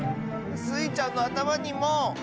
スイちゃんのあたまにも！